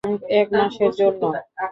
এক মাসের জন্য।